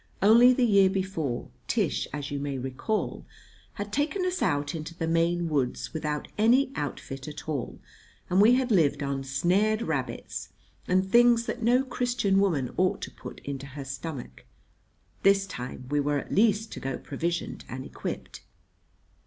Only the year before, Tish, as you may recall, had taken us out into the Maine woods without any outfit at all, and we had lived on snared rabbits, and things that no Christian woman ought to put into her stomach. This time we were at least to go provisioned and equipped.